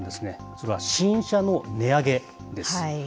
それは新車の値上げです。